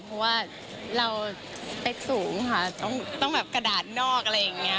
เพราะว่าเราเป๊กสูงค่ะต้องแบบกระดาษนอกอะไรอย่างนี้